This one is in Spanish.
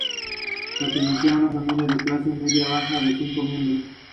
Está a orillas del río Agrio, afluente del río Guadiamar.